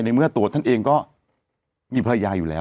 เมื่อตัวท่านเองก็มีภรรยาอยู่แล้ว